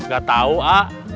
gak tau ak